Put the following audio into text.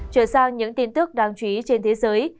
chuyển sang những tin tức đáng chú ý trên thế giới